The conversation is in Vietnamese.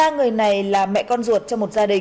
ba người này là mẹ con ruột trong một giai đoạn